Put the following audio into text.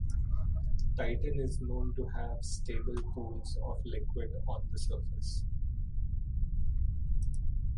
Titan is known to have stable pools of liquid on the surface.